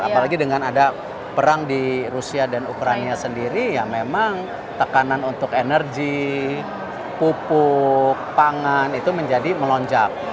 apalagi dengan ada perang di rusia dan ukraina sendiri ya memang tekanan untuk energi pupuk pangan itu menjadi melonjak